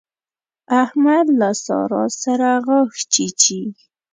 احمد له سارا سره غاښ چيچي.